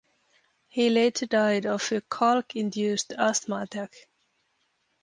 He later died of a chalk-induced asthma attack.